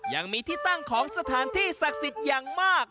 ยังมีที่ตั้งของสถานที่ศักดิ์สิทธิ์อย่างมาก